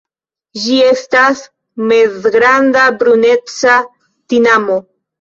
Ĝi estas mezgranda bruneca tinamo.